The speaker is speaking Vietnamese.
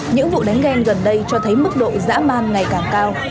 những vụ đánh ghen gần đây cho thấy mức độ dã man ngày càng cao